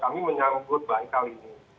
kami menyangkut baik kali ini